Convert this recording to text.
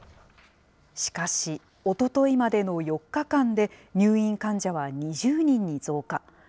しかし、おとといまでの４日間で、入院患者は２０人に増加。